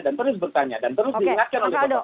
dan terus bertanya dan terus diingatkan oleh